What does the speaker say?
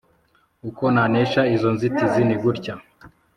Uko nanesha izo nzitizi nigutya